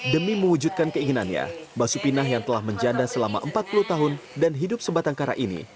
demi mewujudkan keinginannya mbah supinah yang telah menjanda selama empat puluh tahun dan hidup sebatang kara ini